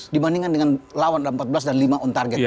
dibandingkan dengan lawan dalam empat belas dan lima on target